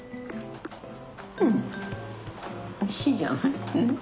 うんおいしいじゃない。